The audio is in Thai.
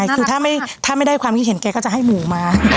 คือถ้าไม่ได้ความคิดเห็นแกก็จะให้หมู่มา